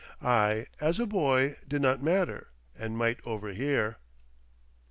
I, as a boy, did not matter, and might overhear.